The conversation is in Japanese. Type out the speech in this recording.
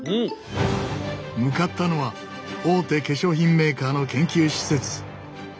向かったのは大手化粧品メーカーの研究施設。